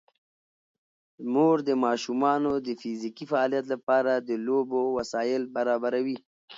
مور د ماشومانو د فزیکي فعالیت لپاره د لوبو وسایل برابروي.